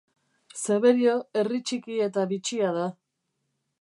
Zeberio herri txiki eta bitxia da.